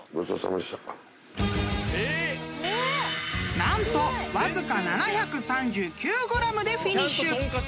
［何とわずか７３９ｇでフィニッシュ］